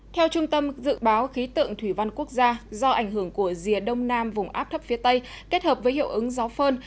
theo trung tâm dự báo khí tượng thủy văn quốc gia do ảnh hưởng của rìa đông nam vùng áp thấp phía tây kết hợp với hiệu ứng gió phơn